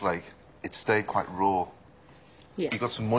はい。